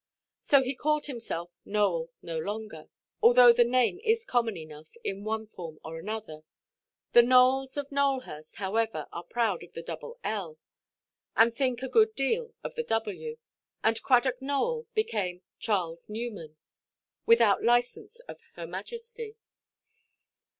So he called himself "Nowell" no longer—although the name is common enough in one form or another: the Nowells of Nowelhurst, however, are proud of the double l, and think a good deal of the w—and Cradock Nowell became "Charles Newman," without license of Her Majesty.